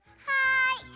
はい。